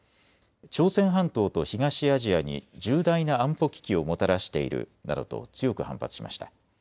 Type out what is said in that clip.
朝鮮半島と東アジアに重大な安保危機をもたらしているなどと強く反発しました。